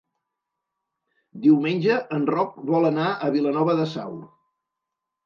Diumenge en Roc vol anar a Vilanova de Sau.